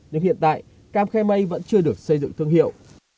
nhưng hiện tại cam khe mây vẫn chưa được xây dựng thương hiệu